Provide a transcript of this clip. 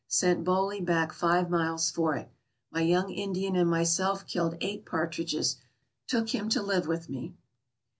Sent Boley back five miles for it. My young Indian and myself killed eight partridges ; took him to live with me.